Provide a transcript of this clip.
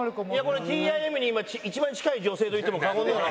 これＴＩＭに今一番近い女性といっても過言では。